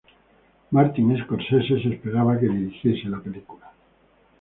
Martin Scorsese se esperaba que dirigiese la película.